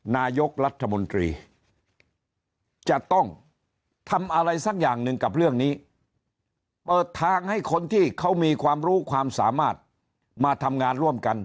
นายกรัฐมนตรีจะต้องทำอะไรสักอย่างหนึ่งกับเรื่องนี้เปิดทางให้คนที่เขามีความรู้ความสามารถมาทำงานร่วมกัน